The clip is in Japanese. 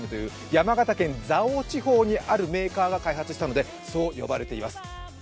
山形県・蔵王地方にあるメーカーが開発したのでそう呼ばれています。